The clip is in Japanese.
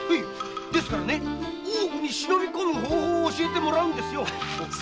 大奥に忍び込む方法教えてもらうんですよ。